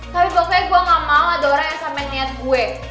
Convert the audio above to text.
tapi biasanya gue gak mau ada orang yang sama niat gue